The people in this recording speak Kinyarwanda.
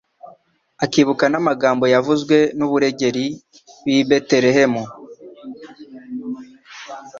akibuka n'amagambo yavuzwe n'aburugeri b'i Betelehemu,